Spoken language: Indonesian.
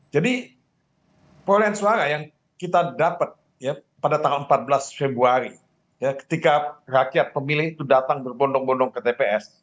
jadi perolehan suara yang kita dapat pada tanggal empat belas februari ketika rakyat pemilih itu datang berbondong bondong ke tps